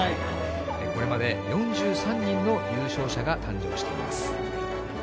これまで４３人の優勝者が誕生しています。